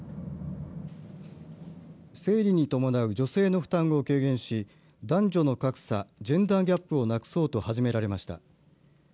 生理に伴う女性の負担を軽減し男女の格差ジェンダーギャップをなくそうと始められました。